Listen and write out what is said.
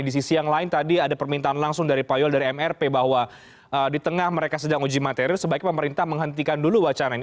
di sisi yang lain tadi ada permintaan langsung dari pak yol dari mrp bahwa di tengah mereka sedang uji materi sebaiknya pemerintah menghentikan dulu wacana ini